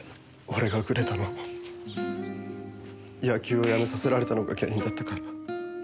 俺がグレたのも野球をやめさせられたのが原因だったから。